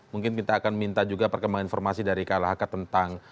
mungkin kita akan minta juga perkembangan informasi dari kak lhaka tentang kasus ini